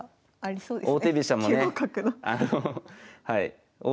そうですね。